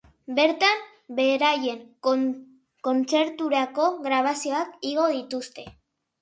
Bertan, beraien kontzertuetako grabazioak igo dituzte.